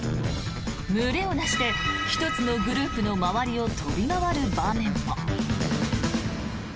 群れを成して１つのグループの周りを飛び回る場面も。